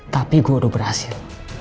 tapi gue udah berhasil